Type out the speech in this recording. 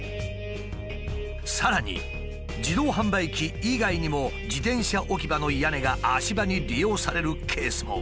さらに自動販売機以外にも自転車置き場の屋根が足場に利用されるケースも。